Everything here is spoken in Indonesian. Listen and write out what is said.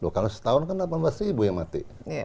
kalau setahun kan delapan belas ribu yang mati